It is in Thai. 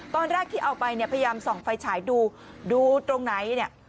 ตอนแรกที่เอาไปเนี่ยพยายามส่องไฟฉายดูดูตรงไหนเนี่ย